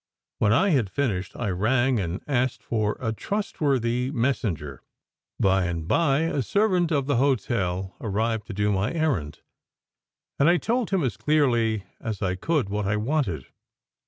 When I had fin ished, I rang and asked for a trustworthy messenger. By and by, a servant of the hotel arrived to do my errand, and I told him as clearly as I could what I wanted.